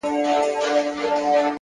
هره هڅه د بریا پیل ټکی دی،